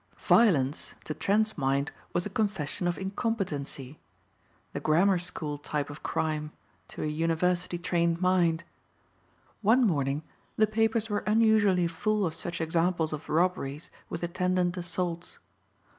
Violence to Trent's mind was a confession of incompetency, the grammar school type of crime to a university trained mind. One morning the papers were unusually full of such examples of robberies with attendant assaults.